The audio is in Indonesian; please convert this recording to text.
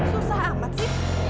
susah amat sih